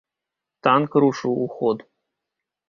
Танк рушыў у ход.